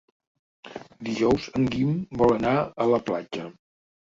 Dijous en Guim vol anar a la platja.